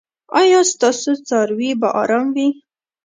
ایا ستاسو څاروي به ارام وي؟